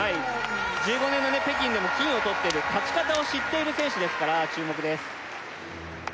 １５年の北京でも金をとっている勝ち方を知っている選手ですから注目です